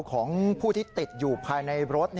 ของผู้ที่ติดอยู่ภายในรถ